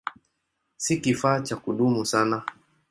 Si kifaa cha kudumu sana.